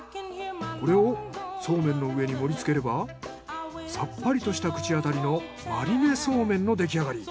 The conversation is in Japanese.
これをそうめんの上に盛り付ければさっぱりとした口当たりのマリネそうめんの出来上がり。